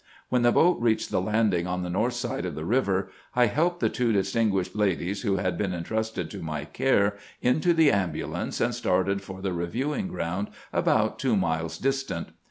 When the boat reached the landing on the north side of the river, I helped the two distinguished ladies who had been intrusted to my care into the ambulance, and started for the reviewing ground, about two miles distant.